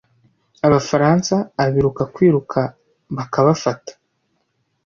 abafaransa abiruka kwiruka bakabafata